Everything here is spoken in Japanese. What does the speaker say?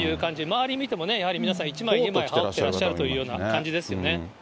周り見ても、やはり皆さん１枚、２枚、羽織ってらっしゃるというような感じですよね。